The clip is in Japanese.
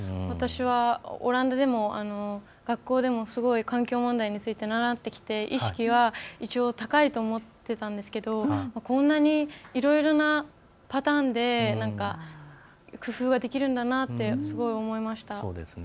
私は、オランダでも、学校でもすごい環境問題について習ってきて、意識は一応高いと思ってたんですけどこんなにいろいろなパターンで工夫ができるんだなって思いました。